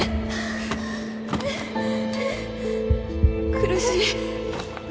苦しい！